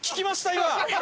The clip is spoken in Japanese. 今。